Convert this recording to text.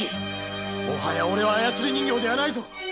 もはやオレは操り人形じゃないぞ！